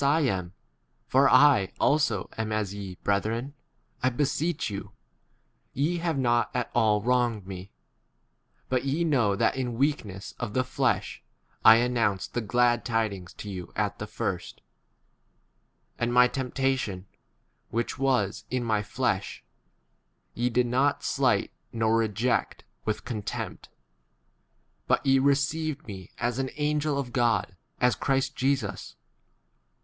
There are different readings, bat ye, brethren, I beseech you : ye 13 have not at all wronged me. But ye know that in weakness w of the flesh I announced the glad tidings 14 to you at the first ; and my temp tation, which [was] in my flesh, ye did not slight nor reject with x contempt ; but ye received me as an angel of God, as Christ Jesus.